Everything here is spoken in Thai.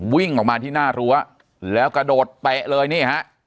วิ่งออกมาที่หน้ารั้วแล้วกระโดดเป๊ะเลยนี่ฮะ